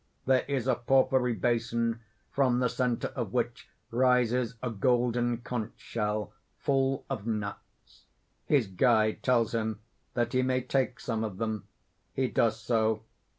There is a porphyry basin, from the centre of which rises a golden conch shell full of nuts. His guide tells him that he may take some of them. He does so.